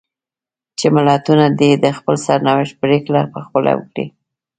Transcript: چې ملتونه دې د خپل سرنوشت پرېکړه په خپله وکړي.